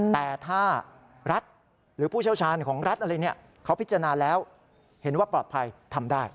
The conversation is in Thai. แต่ถ้ารัฐหรือผู้เชี่ยวชาญของรัฐอะไรเนี่ยเขาพิจารณาแล้วเห็นว่าปลอดภัยทำได้